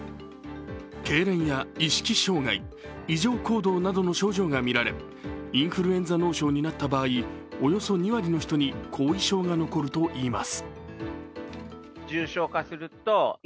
けいれんや意識障害、異常行動などの症状がみられ、インフルエンザ脳症になった場合、およそ２割の人に後遺症が残るといいます。